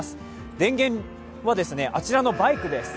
電源はあちらのバイクです。